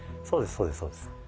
そうですそうですそうです。